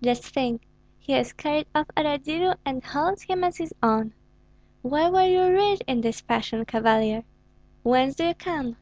Just think! he has carried off a Radzivill and holds him as his own. Where were you reared in this fashion, Cavalier? Whence do you come?"